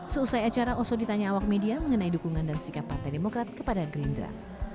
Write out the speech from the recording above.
seusai acara oso ditanya awak media mengenai dukungan dan sikap partai demokrat kepada gerindra